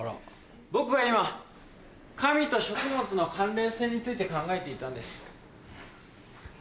僕は今神と食物の関連性について考えていたんです。